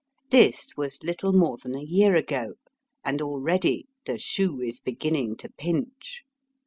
This was little more than a year ago, and already the shoe is beginning to pinch.